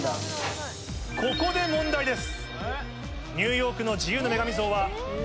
ここで問題です。